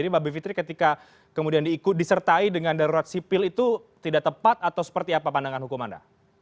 mbak bivitri ketika kemudian disertai dengan darurat sipil itu tidak tepat atau seperti apa pandangan hukum anda